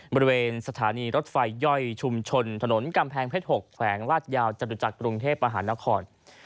บริเวณสถานีรถไฟย่อยชุมชนถนนกำแพงเพชร๖แขวงลาดยาวจตุจักรกรุงเทพมหานคร